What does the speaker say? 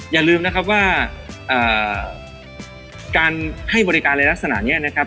อย่าลืมนะครับว่าการให้บริการในลักษณะนี้นะครับ